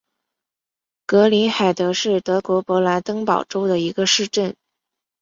格林海德是德国勃兰登堡州的一个市镇。